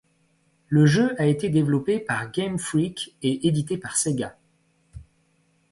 Le jeu a été développé par Game Freak et édité par Sega.